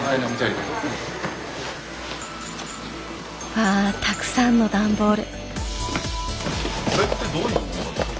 わたくさんの段ボール。